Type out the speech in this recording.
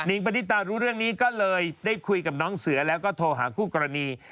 ปฏิตารู้เรื่องนี้ก็เลยได้คุยกับน้องเสือแล้วก็โทรหาคู่กรณี